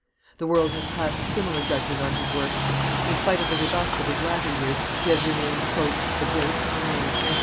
The world has passed similar judgment on his works; in spite of the rebuffs of his latter years, he has remained "the great Corneille."